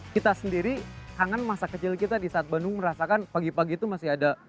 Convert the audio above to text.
kita sendiri kangen masa kecil kita di saat bandung merasakan pagi pagi itu masih ada